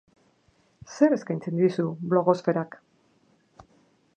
Zer eskaintzen dizu blogosferak?